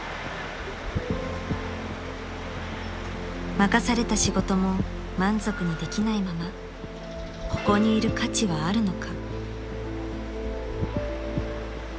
［任された仕事も満足にできないままここにいる価値はあるのか］